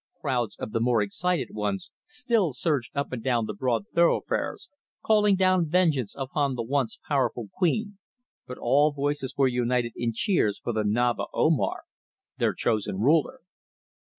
Crowds of the more excited ones still surged up and down the broad thoroughfares, calling down vengeance upon the once powerful queen, but all voices were united in cheers for the Naba Omar, their chosen ruler.